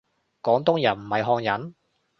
廣東人唔係漢人？